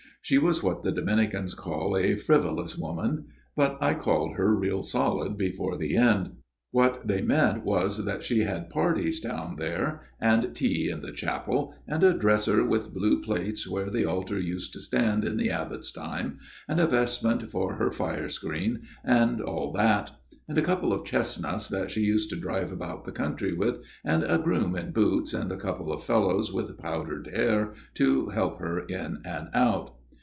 She was what the Dominicans called a frivolous woman ; but I called her real solid before the end. What they meant was that she had parties down there and tea in the chapel, and a dresser with blue plates where the altar used to stand in the abbot's time, and a vestment for her fire screen, and all that ; and a couple of chestnuts that she used to drive about the country with, and a groom in boots, and a couple of fellows with powdered hair to help her in and out.